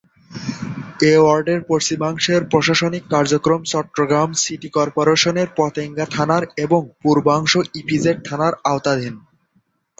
এ ওয়ার্ডের পশ্চিমাংশের প্রশাসনিক কার্যক্রম চট্টগ্রাম সিটি কর্পোরেশনের পতেঙ্গা থানার এবং পূর্বাংশ ইপিজেড থানার আওতাধীন।